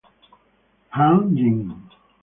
Hang Ying.